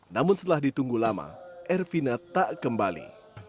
namun setelah ditunggu lama ervina tak kembali